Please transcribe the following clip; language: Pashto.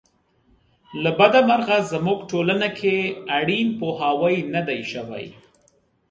له بده مرغه زموږ ټولنه کې اړین پوهاوی نه دی شوی.